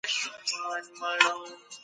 تیارې یوازې په علم وکیږي.